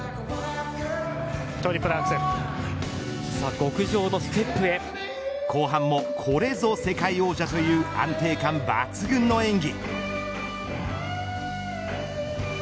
極上のステ後半もこれぞ世界王者という安定感抜群の演技。